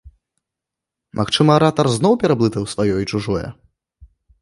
Магчыма, аратар зноў пераблытаў сваё і чужое?